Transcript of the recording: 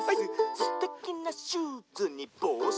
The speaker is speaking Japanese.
「すてきなシューズにぼうしでキメて」